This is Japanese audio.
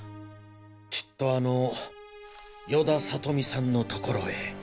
きっとあの与田理美さんのところへ。